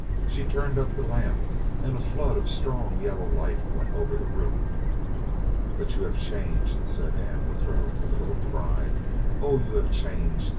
She turned up the lamp, and a flood of strong yellow light went over the room. "But you have changed," said Anne Withero with a little cry. "Oh, you have changed!